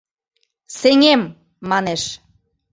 — Сеҥем, — манеш.